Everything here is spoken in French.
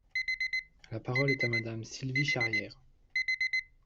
La parole est à Madame Sylvie Charrière.